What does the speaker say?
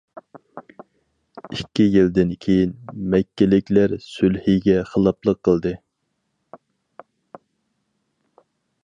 ئىككى يىلدىن كېيىن، مەككىلىكلەر سۈلھىگە خىلاپلىق قىلدى.